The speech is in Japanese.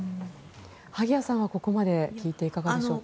萩谷さんはここまで聞いていかがでしょうか。